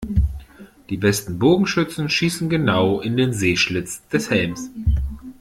Die besten Bogenschützen schießen genau in den Sehschlitz des Helms.